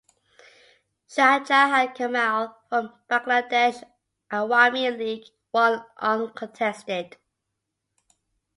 Shahjahan Kamal from Bangladesh Awami League won uncontested.